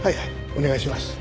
お願いします。